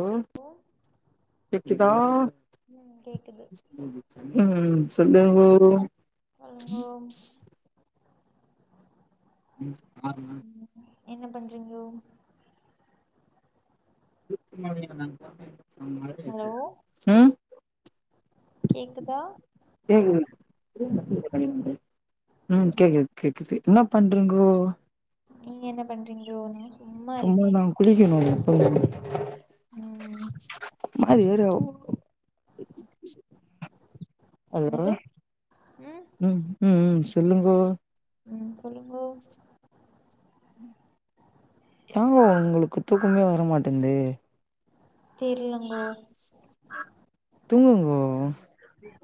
ம் ஹலோ கேக்குதா ம் கேக்குது ம்ம் சொல்லுங்கோ சொல்லுங்கோ ம் ஆமா என்ன பண்றீங்கோ ஹலோ ச கேக்குதா கேக்குது [unintelligible] ம் கேக்குது கேக்குது என்ன பண்றீங்கோ நீங்க என்ன பண்றிங்ளோ நா சும்மா இருக்கே குளிக்கனு எப்பயுமே ம் மா ஏறோ ஹலோ என்னது ம் ம் ம்ம் சொல்லுங்கோ ம் சொல்லுங்கோ யாங்கோ உங்களுக்கு தூக்கமே வரமாட்டேன்து தெர்லங்கோ தூங்குங்கோ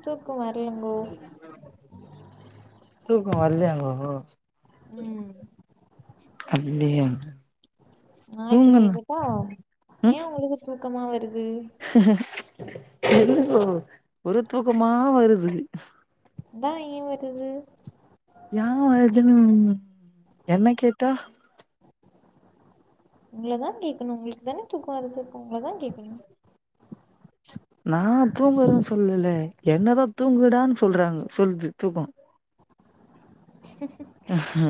தூக்கோ வரலங்கோ தூக்கோ வர்லயாங்கோ ம் அன்னியா நா இப்பங்கேக்கட்டா ஏன் உங்களுக்கு தூக்கமா வருது இல்ல ப்ரோ ஒரோ தூக்கமா வருது அதா ஏன் வருது யா வருதுன்னு என்ன கேட்டா உங்கள தா கேக்கணு உங்களுக்கு தானே தூக்கோ வருது உங்கள தா கேக்கணு நா தூங்குறோ சொல்லலே என்னதா தூங்குடான்னு சொல்றாங்க சொல்லது தூக்கோ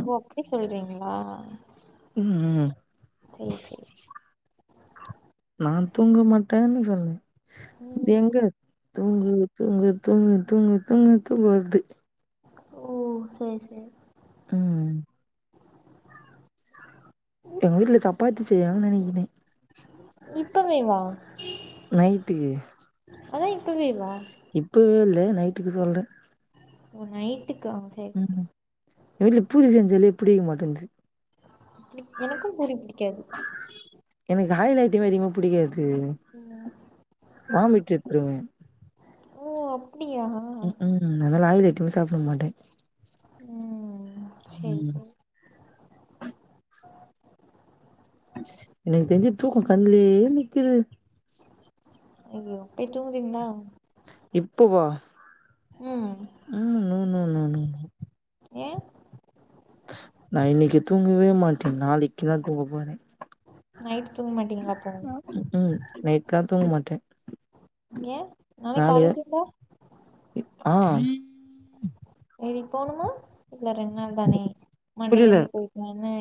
ஓ அப்டி சொல்றீங்ளா ம் ம் சே சே நா தூங்க மாட்டேன்னு சொன்னே ம் இது எங்க தூங்கு தூங்கு தூங்கு தூங்கு தூங்குனா தூக்கோ வருது ஓ சேர் சேர் ம் எங்க வீட்ல சப்பாத்தி செய்றாங்கன் நெனக்கிறே இப்பவே வா நைட்டுக்கு அதா இப்பவேவா இப்பவே இல்ல நைட்டுக்கு சொல்றே ஓ நைட்டுக்கா ம் எங்க வீட்ல பூரி செஞ்சாலே புடிக்க மாட்டேந்து எனக் எனக்கு பூரி புடிக்காது எனக்கு ஆயில் ஐட்டமே அதிகமாப் புடிக்காது ம் வாமிட் எத்ருவே ஓ அப்டியா ம் ம் அதலா ஆயில் ஐட்டமே சாப்டமாட்டே ம் சேரி ம் சேரி எனக்கு தெரிஞ்சி தூக்கோ கண்லே நிக்குது ஐயோ போய் தூங்விங்ளா இப்போவா ம் ம் நோ நோ நோ ஏ நா இன்னிக்கு தூங்கவேமாட்டே நாளைக் கிதா தூங்க போறே நைட் தூங்க மாட்டீங்களா அப்போ ம் நைட் கா தூங்மாட்டே ஏ நாளைக் காலேஜ் இல்ல ஆ ஏரி போணுமா இல்ல ரெண்ட் நாள் தானே புரியல மண்டேலந்து போய்க்கலானு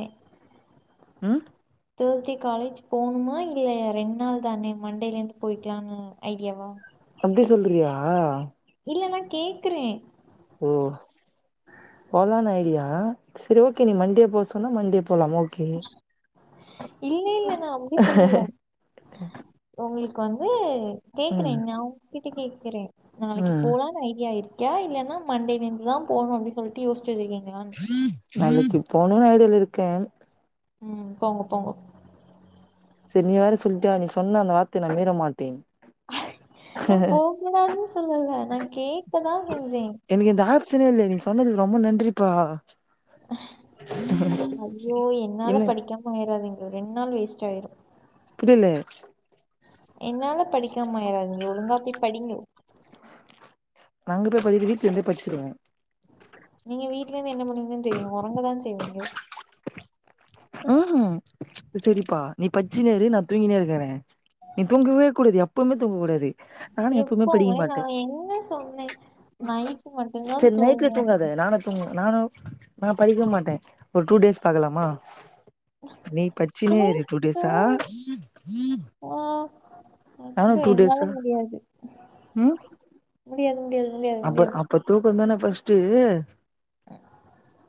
ம் தேஸ்டே காலேஜ் போணுமா இல்ல ரெண் நாள் தானே மண்டேலந் போய்க்லான்னு ஐடியாவா அப்டி சொல்றியா இல்ல நா கேக்கறே ம் போலான் ஐடியா செரி ஓகே நீ மண்டே போ சொன்னா மண்டே போலாம் ஒ இல்லில்ல நா அப்டி சொல்லல ஒங்குளுக் வந்து கேக்குறே ம் நா உங்கிட்ட கேக்குறே நாளக்கி ம் போலான் ஐடியா இருக் க்யா இல்லனா மண்டேலந்துதா போணு அப்பிடி சொல்ட்டு யோஸ்ச்சி வச்சிகீங்ளா நாளக்கி போணுன் ஐடியாலருக்கே ம் போங்கு போங்கோ செர் நீ வேற சொல்ட்யா நீ சொன்ன அந்த வார்த்த நா மீரமாட்டே நா போ கூடாதுன் சொல்லல்ல நா கேக்கதா செஞ்சே எனக் இந்த ஆப்ஷனே இல்லியே நீ சொன்னதுக் ரொம்ப நன்றிபா அப்புறம் என்ன பண்ணிராதீங்க ரெண் நாள் வேஸ்ட் ஆய்ரு புடியில என்னால படிக்காமாய்றாதிகோ ஒழுங்கா பேய் படிங்கோ நா அங்க போய் படித வீட்லந்தே பச்சிருவே நீங்க வீட்லந்து என்ன பண்ணுவீங்கன் தெரியு ஒரங்க தா செய்வீங்கோ ம் ம் அது செரிப்பா நீ பச்சினேரு நா தூங்கினே இருக்கறே நீ தூங்கவே கூடாது எப்புமே தூங்க கூடாது நானு எப்பவுமே படிக்க எப்பவமே நா மாட்டே என்ன சொன்னே நைட்டு மட்டுதா தூங்கோ தூங்வ நானோ நா படிக்கவேமாட்டே ஒர் டூ டேஸ் பாக்கலாமா நீ பச்சினேரு டூ டேஸா ஓ நானு அச்சோ டூ என்னால டேஸா முடியாது ம் முடியாது முடியாது முடியாது முடியாது ட்டோ தூக்கந்தான ஃபஸ்டு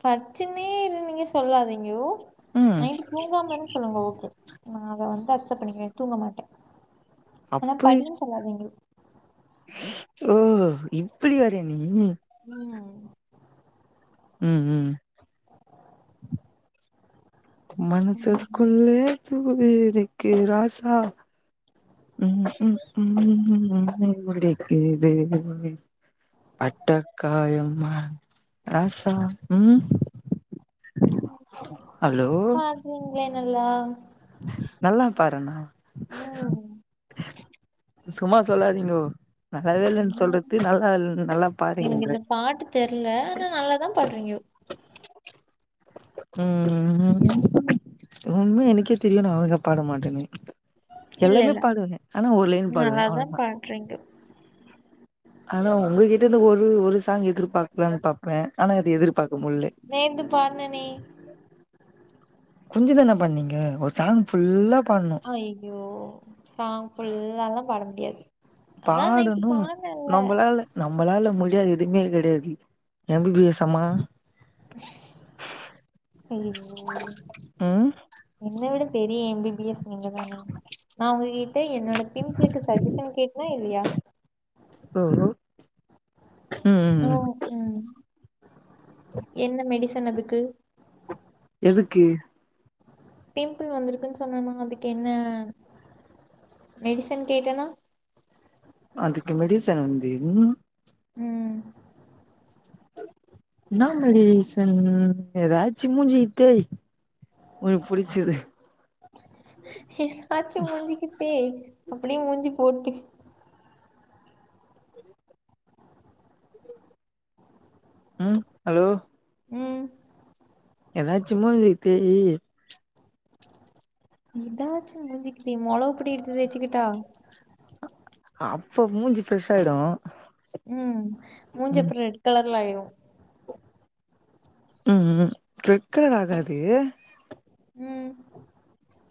பட்ச்சுன்னே இருந்தீங்க சொல்லாதீங்கோ ம் நைட்டு தூங்காம சொல்லுங்கோ ஓகே நா அத வந்து அக்சப்ட் பண்ணிக்கிறே தூங்க மாட்டே ஆனா அப்படி படின் சொல்லாதீங்கோ ஓ இப்பிடி வரியா நீ ம் ம் ம் ம் ம் மனசுகுள்ளே தூவிருக்கு ராசா ம் ம் ம் [unintelligible] அட்டகாயமா ராசா ம் ஹலோ நீங்களே நல்லா நல்லா பாடுறேனா ம் சும்மா சொல்லாதீங்கோ நல்லாவே இல்லன் ம் சொல்றத்து நல்லா இல் நல்லா எனக்கு பாட்ரீங்கங்ற இந்த பாட்டு தெர்ல ஆனா நல்லா தா பாட்றீங்கோ ம் ம் ம் ஒன்மே எனக்கே தெரில நா அழகா பாட மாட்டேனு இல்ல எல்லாமே இல்ல பாடுவே ஆனா ஒரு லைன் பாடுவே நல்லாதா அவ்ளதா பாடுறீங்கோ ஆனா உங்ககிட்ட இருந்து ஒரு ஒரு சாங் எதிர்பாக்கலானு பாப்பேன் ஆனா அது எதிர்பாக்க முல்லே நேந்து பாடுனேனே கொஞ்சுதானே பாடுனிங்க ஒரு சாங் ஃபுல்லா பாட்னு ஐயோ சாங் ஃபுல்லால்லா பாட முடியாது அதா நைட்டு பாடனும் பாடுனேன்ல நம்பளால நம்பளால முடியாதது எதுவுமே கெடையாது எம்பிபிஎஸ் அம்மா அய்யோ ம் என்ன விடு பெரிய எம்பிபிஎஸ் நீங்க தானே நா உங்க கிட்ட என்னோட பிம்பிளுக்கு சஜ்ஜஷன் கேட்னா இல்லையா ம் ம் ம் ம் என்ன மெடிசன் அதுக்கு எதுக்கு பிம்பிள் வந்திருக்குன்னு சொன்னனா அதுக்கு என்ன மெடிசின் கேட்டேனா அதுக்கு மெடிசன் வந்து ம் ம் என்ன மெடிசன் ஏதாச்சு மூஞ்சிக்கி தேய் ஒனக்கு புடுச்சது ஏதாச்சு மூஞ்சிக்கு தேய் அப்டின் மூஞ்சி போட்டு ம் ஹலோ ம் ஏதாச்சு மூஞ்சிக்கு தேயி இதாச்சு மூஞ்சிக்கு தேய் மொளகு பொடிய எடுத்து தேச்சுக்கட்டா அப்ப மூஞ்சி ஃப்ரெஷ் ஆயிடு ம் மூஞ்சி ம் அப்றோ ரெட் கலர்ல ஆயிரு ம் ம் ரெட் கலர் ஆகாது ம்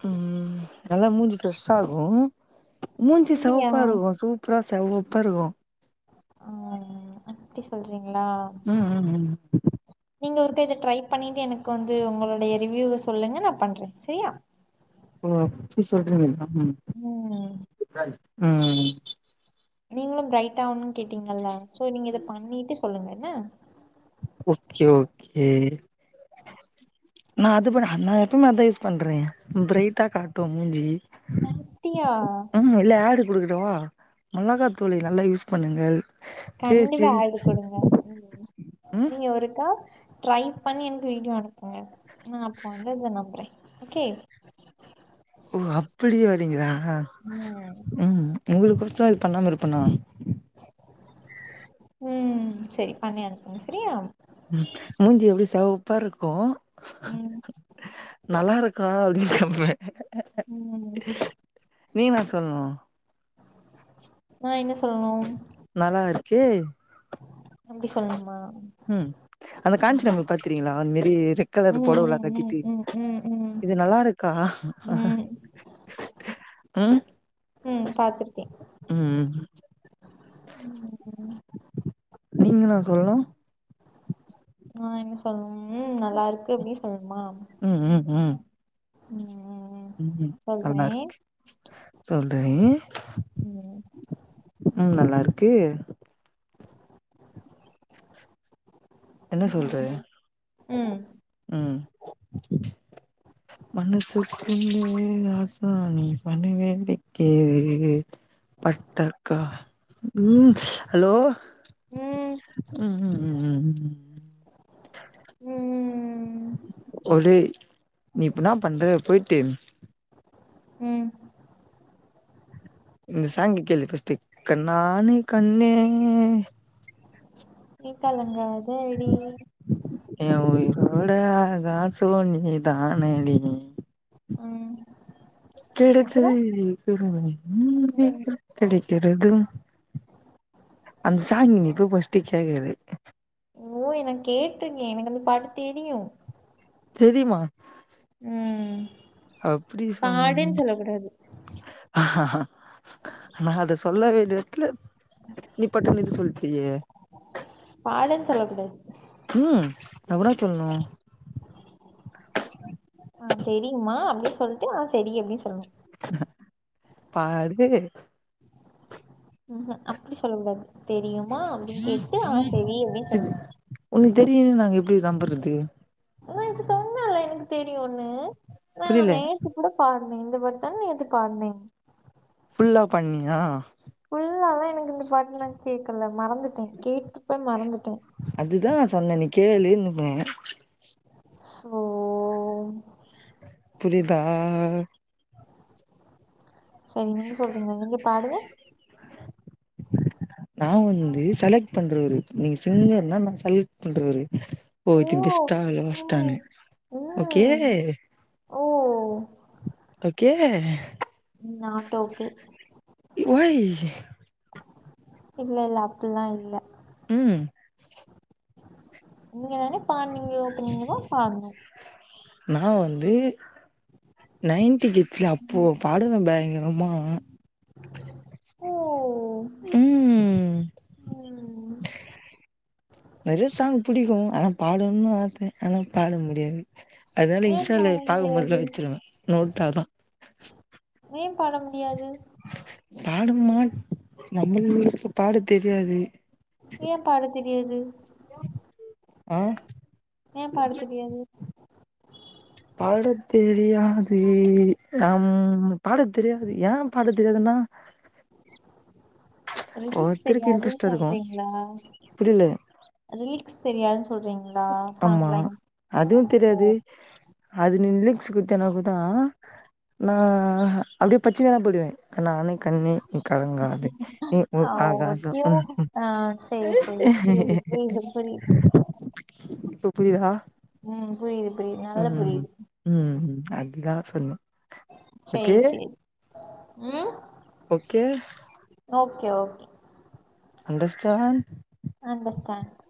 ம் நல்லா மூஞ்சி ஃப்ரெஷ் ஆகு மூஞ்சி அப்டியா செவப்பா இருக்கு சூ புற செவப்ப இருக்கு ம் அப்டி சொல்றீங்ளா ம் ம் ம் நீங்க ஒருக்கா இத ட்ரை பண்ணிட்டு எனக்கு வந்து உங்களுடைய ரிவியூவ சொல்லுங்க நா பண்றே செரியா ஓ அப்டி சொல்றீங்ளா ம் ம் நீங்களு பிரைட் ஆகணுனு கேட்டீங்கள்ல சோ நீங்க இத பண்ணிட்டு சொல்லுங்க என்ன ஓகே ஓகே நா அது பண்ண அத நா எப்பமே அதா யூஸ் பண்றே பிரைட்டா காட்டு மூஞ்சி [unintelligible] ம் ஹ் இல்ல ஆட் குடுக்கட்டவா நல்லதா தோழி நல்லா யூஸ் பண்ணுங்கள் கண்டிப்பா ஃபேஸில் ஆட் குடுங்க ம் ம் நீங்க ஒருக்கா ட்ரை பண்ணி எனக்கு வீடியோ அனுப்புங்க நா அப்ப வந்து இத நம்றே ஓகே ஓ அப்டியே வரிங்களா ம் ம் உங்களுக்கு பிடிச்சா அது பண்ணாம இருப்பனா ம் செரி பண்ணி அனுப்புங்க செரியா ம் மூஞ்சி எப்டி செவப்பா இருக்கு ம் நல்லா இருக்க அப்டின்னு கேப்பே ம் நீ தா சொல்னு நா என்ன சொல்ணு நல்லா இருக்கே அப்டி சொல்ணுமா ம் அந்த காஞ்சனவ்ல பாத்தீர்ங்ளா அது மெரி ரெட் கலர் ம் புடவுல்லா ம் ம் கட்டிட்டு ம் ம் ம் இது நல்லா இருக் கா ம் ம் பாத்திருக்கே ம் ம் நீங்கதா சொல்ணு நா என்ன சொல்ணு ம் நல்லா இருக்கு அப்டின்னு சொல்லணுமா ம் ம் ம் ம் ம் நல்லா சொல்றேன் இருக்கு சொல்றே ம் ம் நல்லா இருக்கு என்ன சொல்ற ம் ம் மனசுக்குள்ளே ராசா நீ பணவேண்டிக் கேளு பட்டக்கா ம் ஹலோ ம் ம் ம் ம் ம் ம் ம் ம் ம் ம் ஒடே நீ இப்பின்னா பண்றத போய்ட்டு ம் இந்த சாங்க கேளு ஃபஸ்ட்டு கண்ணான கண்ணே நீ கலங்காதடி எ உயிரோட ஆகாசோ நீ தானடி ம் அப்றோ [unintelligible] ம் கெடைக்கிறதும் அந்த சாங்க நீங்க இப்போ ஃபஸ்ட்டு கேக்றது ஓ எனக்கு கேட்ருக்கே எனக்கு அந்த பாட்டு தெரியு தெரியுமா ம் அப்டி சொன் பாடுன்னு சொல்ல கூடாது நா அத சொல்ல வேண்டிய இடத்துல நீ பட்டுனு சொல்ட்டியே பாடுன்னு சொல்ல கூடாது ம் அப்றம் சொல்ணும் ஆ தெரியுமா அப்டின்னு சொல்ட்டு ஆ செரி அப்டின் சொல்னும் பாடு ஆஹ அப்டி சொல்ல கூடாது தெரியுமா அப்டின்னு கேட்டு ஆ தெரியுமே இது சொல்லனும் உனக்கு தெரியுன்னு நாங்க எப்டி நம்புறது நேத்து சொன்னல்ல எனக்கு தெரியுன்னு நா புரில நேத்து கூட பாடுனேன் இந்த மாரி தான நேத்து பாடுனே ஃபுல்லா பாடுனயா ஃபுல்லாதா எனக்கு இந்த பாட்டு நா கேட்கல மறந்துட்டேன் கேட்டுப்போய் மறந்துட்டேன் அதுதா நா சொன்னேன் நீ கேளுன்னே சோ புரிதா சரி நீங்க சொல்லுங்க நீங்க பாடுங்க நா வந்து செலக்ட் பண்றவரு நீங்க சிங்கர்னா நா செலக்ட் பண்றவரு ஓ இது பெஸ்ட்டா இல்ல வொஸ்டானு ம் ஓகே ம் ஓ ஓகே ம் நாட்டோக்கே ஒய் இல்ல இல்ல அப்டிலா இல்ல ம் நீங்கதான பாட்னீங்க இப்போ நீங்கதான் பாட்ணு நா வந்து நைன்ட்டி கிட்ஸ்ல அப்போ பாடுவன் பயங்கரமா ஓ ம் ம் நெறைய சாங் புடிக்கும் ஆனா பாடணுன்னு ஆச ஆனா பாட முடியாது அதனால ஏ பாட இன்ஸ்டால முடியாது பாக்கும்போதலா வச்சுருவேன் நோட்டாதான் ஏன் பாட முடியாது பாடுமாட் நம்புள்க் பாட தெரியாது ஏன் பாட தெரியாது அ ஏன் பாட தெரியாது பாட தெரியாது அம் பாட தெரியாது ஏன் பாட தெரியாதுன்னா லிரிக்ஸ் ஒவ்வொருத்தருக்கு தெரியாதுன் இன்ட்ரெஸ்ட்டா இருக்கு சொல்றீங்ளா புரியல லிரிக்ஸ் தெரியாதுன் சொல்றீங்க ஆமா ஓ அதுவுந்தெரியாது அது நீ லுக்ஸ் குத்தனப்புதா நா அப்டியே பச்சினே தான் பாடுவேன் கண்ணான கண்ணே நீ கலங்காதே நீ ஆ ஓர் ஓ ஆகாசம் ம் டியூன் ம் ஏ ஏ பொய் கம்பெனி இப்ப புரிதா ம் புரியுது புரியுது நல்லா புரியுது ம் ம் அதுதா சொன்னே சேரி ஓகே சேரி ம் okay okay okay understand understand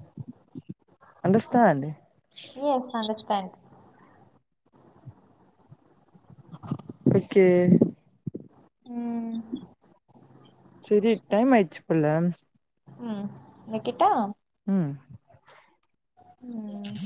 understand yes understand okay ம் செரி டைம் ஆயிட்ச்சி போல ம் வெக்கிட்டா ம் ம்